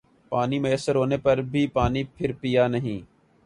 پانی میسر ہونے پر بھی پانی پھر پیا نہیں ہر